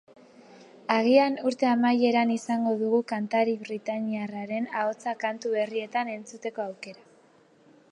Agian urte amaieran izango dugu kantari britainiarraren ahotsa kantu berrietan entzuteko aukera.